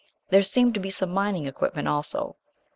There seemed to be some mining equipment also.